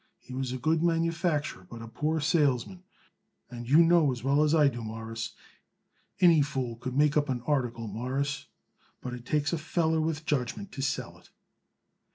"He was a good manufacturer but a poor salesman; and you know as well as I do, Mawruss, any fool could make up an article, Mawruss, but it takes a feller with judgment to sell it."